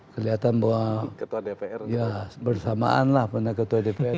kelihatan bahwa bersamaan lah menang ketua dewan kehormatan